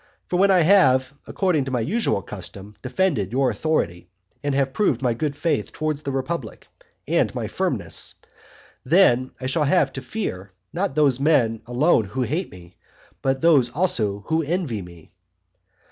For when I have, according to my usual custom, defended your authority, and have proved my good faith towards the republic, and my firmness; then I shall have to fear, not those men alone who hate me, but those also who envy me.